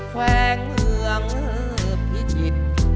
แคว่งเหงื่องพิจิตร